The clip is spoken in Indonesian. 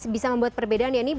bisa membuat perbedaan ya